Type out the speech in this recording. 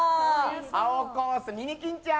青コース、ミニキンちゃん！